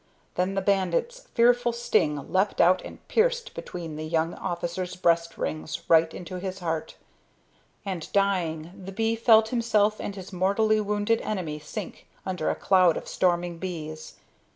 Then the bandit's fearful sting leapt out and pierced between the young officer's breast rings right into his heart; and dying the bee felt himself and his mortally wounded enemy sink under a cloud of storming bees.